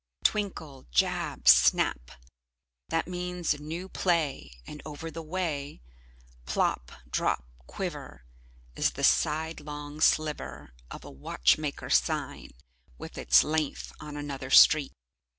Twinkle, jab, snap, that means a new play; and over the way: plop, drop, quiver, is the sidelong sliver of a watchmaker's sign with its length on another street.